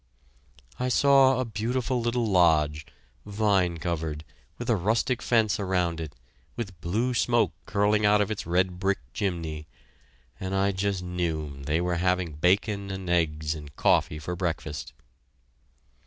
I saw a beautiful little lodge, vine covered, with a rustic fence around it, with blue smoke curling out of its red brick chimney, and I just knew they were having bacon and eggs and coffee for breakfast.